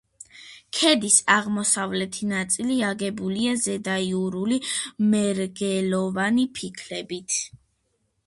ქედის აღმოსავლეთი ნაწილი აგებულია ზედაიურული მერგელოვანი ფიქლებით.